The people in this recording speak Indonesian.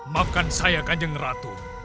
maafkan saya kanjeng ratu